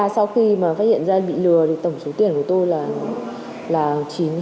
sau khi mà phát hiện ra bị lừa thì tổng số tiền của tôi là hơn chín trăm linh triệu gần tỷ